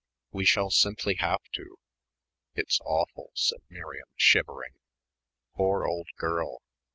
"We shall simply have to." "It's awful," said Miriam, shivering. "Poor old girl.